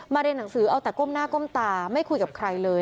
เรียนหนังสือเอาแต่ก้มหน้าก้มตาไม่คุยกับใครเลย